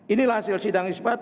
inilah hasil sidang isbat